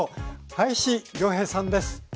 林亮平さんです。